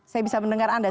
saya bisa mendengar anda